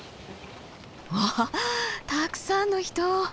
わあたくさんの人！